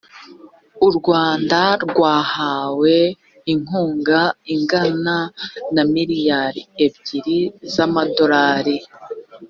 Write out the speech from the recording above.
u rwanda rwahawe inkunga ingana na miliyari ebyiri za madorari